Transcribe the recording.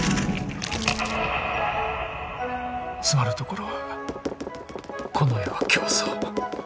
詰まるところはこの世は競争。